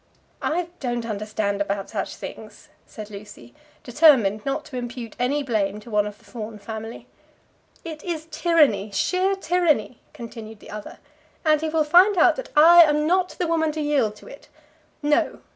"I don't understand about such things," said Lucy, determined not to impute any blame to one of the Fawn family. "It is tyranny, sheer tyranny," continued the other, "and he will find that I am not the woman to yield to it. No.